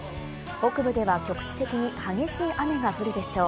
北部では局地的に激しい雨が降るでしょう。